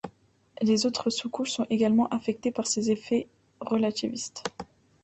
Les autres sous-couches sont également affectées par ces effets relativistes.